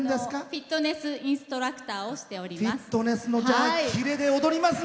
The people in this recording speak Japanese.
フィットネスインストラクターをしております。